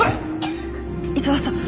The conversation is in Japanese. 井沢さん。